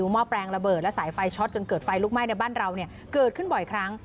ห้อแปลงระเบิดและสายไฟช็อตจนเกิดไฟลุกไหม้ในบ้านเราเกิดขึ้นบ่อยครั้ง